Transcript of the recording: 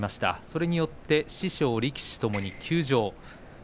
それによって師匠力士ともに休場。